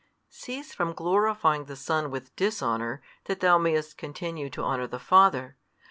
Cease from glorifying the Son with dishonour, that thou mayest continue to honour the Father.